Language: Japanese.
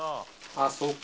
あっそうか。